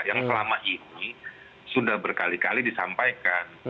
yang selama ini sudah berkali kali disampaikan